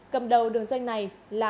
cầm đầu đường dây này là